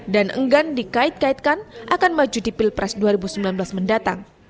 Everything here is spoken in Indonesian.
enggan dikait kaitkan akan maju di pilpres dua ribu sembilan belas mendatang